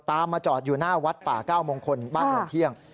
มาจอดอยู่หน้าวัดป่าเก้ามงคลบ้านโนนเที่ยง